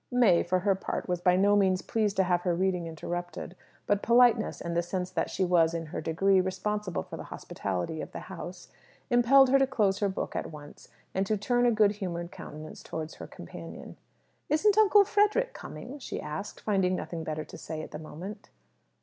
May, for her part, was by no means pleased to have her reading interrupted; but politeness, and the sense that she was, in her degree, responsible for the hospitality of the house, impelled her to close her book at once, and to turn a good humoured countenance towards her companion. "Isn't Uncle Frederick coming?" she asked, finding nothing better to say at the moment.